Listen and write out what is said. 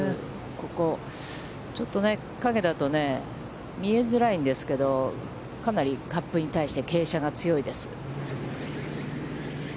ここ、ちょっと影だと見えづらいんですけど、かなりカップに対して、傾斜が強いです。